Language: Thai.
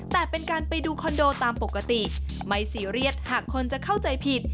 แต่เป็นการไปดูคอนโดตามปกติไม่ซีเรียสหากคนจะเข้าใจผิด